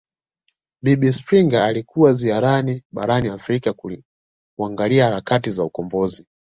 Bibi Springer alikuwa ziarani barani Afrika kuangalia harakati za ukombozi